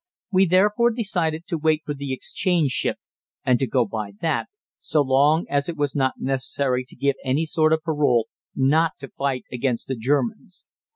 We therefore decided to wait for the exchange ship and to go by that, so long as it was not necessary to give any sort of parole not to fight against the Germans.